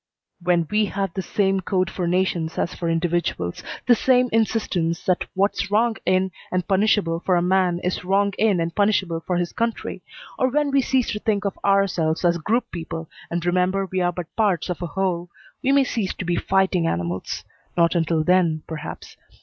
"When we have the same code for nations as for individuals, the same insistence that what's wrong in and punishable for a man is wrong in and punishable for his country, or when we cease to think of ourselves as group people and remember we are but parts of a whole, we may cease to be fighting animals. Not until then, perhaps.